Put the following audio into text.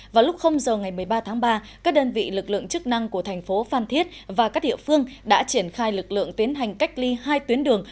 vào lúc giờ ngày một mươi ba tháng ba các đơn vị lực lượng chức năng của thành phố phan thiết và các địa phương đã triển khai lực lượng tiến hành cách ly hai tuyến đường